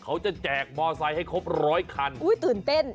เขาจะแจกบอไซค์ให้ครบ๑๐๐คันอุ้ยตื่นเต้น